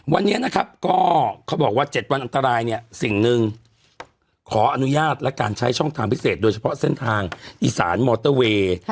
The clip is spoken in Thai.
วันนี้นะครับก็เขาบอกว่า๗วันอันตรายเนี่ยสิ่งหนึ่งขออนุญาตและการใช้ช่องทางพิเศษโดยเฉพาะเส้นทางอีสานมอเตอร์เวย์